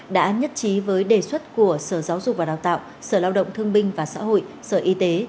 đã nhất trí với đề xuất của sở giáo dục và đào tạo sở lao động thương binh và xã hội sở y tế